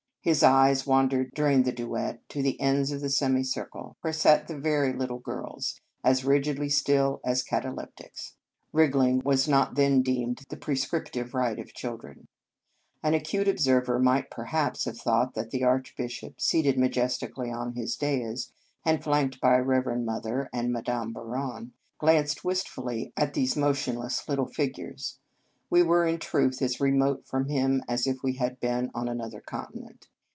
His eyes wandered during the duet to the ends of the semicir cle, where sat the very little girls, as rigidly still as cataleptics. Wriggling was not then deemed the prescriptive right of childhood. An acute observer might perhaps have thought that the Archbishop, seated majestically on his dais, and flanked by Reverend Mother and Madame Bouron, glanced wistfully at these motionless little fig ures. We were, in truth, as remote from him as if we had been on an other continent.